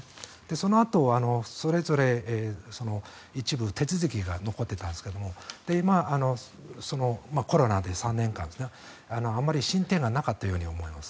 そのあと、それぞれ一部手続きが残ってたんですが今、コロナで３年間あまり進展がなかったように思います。